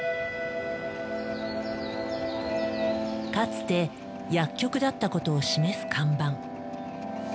かつて薬局だったことを示す看板。